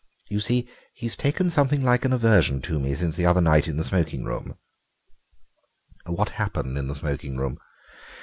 "You see, he's taken something like an aversion to me since the other night in the smoking room." "What happened in the smoking room?"